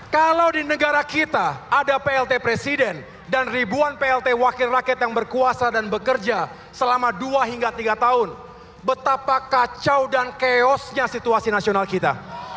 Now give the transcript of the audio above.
kalau di negara kita ada plt presiden dan ribuan plt wakil rakyat yang berkuasa dan bekerja selama dua hingga tiga tahun betapa kacau dan chaosnya situasi nasional kita